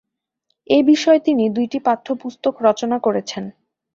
এ বিষয়ে তিনি দুইটি পাঠ্যপুস্তক রচনা করেছেন।